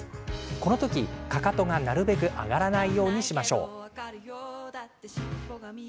この時、かかとがなるべく上がらないようにしましょう。